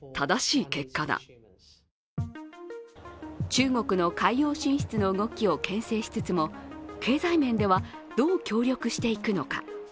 中国の海洋進出の動きをけん制しつつも経済面では、どう協力していくのか。